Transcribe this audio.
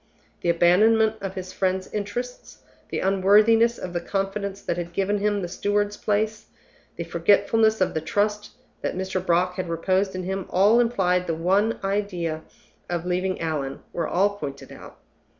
The abandonment of his friend's interests, the unworthiness of the confidence that had given him the steward's place, the forgetfulness of the trust that Mr. Brock had reposed in him all implied in the one idea of leaving Allan were all pointed out.